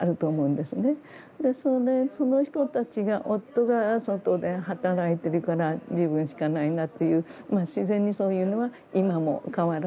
その人たちが夫が外で働いてるから自分しかないなっていう自然にそういうのは今も変わらずあるとは思うんですね。